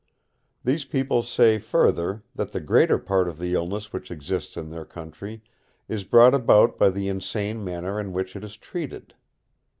These people say further, that the greater part of the illness which exists in their country is brought about by the insane manner in which it is treated.